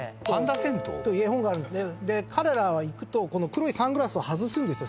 彼らは行くと黒いサングラスを外すんですよ